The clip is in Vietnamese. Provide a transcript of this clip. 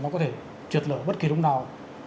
có thể trượt lở bất kỳ lúc nào